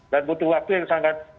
dan butuh waktu yang sangat